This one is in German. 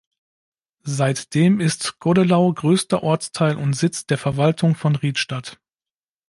Seitdem ist Goddelau größter Ortsteil und Sitz der Verwaltung von Riedstadt.